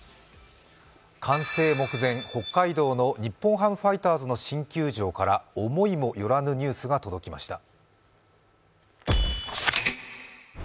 完成目前、北海道の日本ハムファイターズの新球場から思いも寄らぬニュースが届きました。